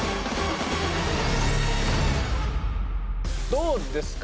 どうですか？